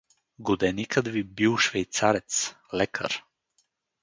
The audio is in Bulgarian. Годеникът ви бил швейцарец, лекар.